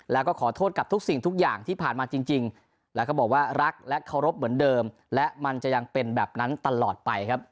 แล้วก็ขอโทษกับทุกสิ่งทุกอย่างที่ผ่านมาจริงแล้วก็บอกว่ารักและเคารพเหมือนเดิมและมันจะยังเป็นแบบนั้นตลอดไปครับ